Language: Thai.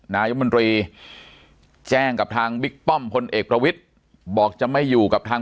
นายมนตรีแจ้งกับทางบิ๊กป้อมพลเอกประวิทย์บอกจะไม่อยู่กับทาง